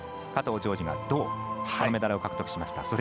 加藤条治が銅メダルを獲得しました。